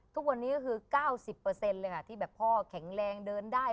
ทุกวันนี้ก็คือ๙๐เลยค่ะที่แบบพ่อแข็งแรงเดินได้